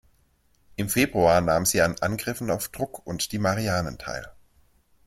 Im Februar nahm sie an Angriffen auf Truk und die Marianen teil.